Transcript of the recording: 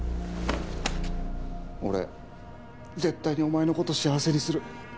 俺絶対にお前のこと幸せにする。